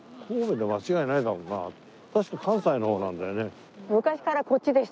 確か関西の方なんだよね。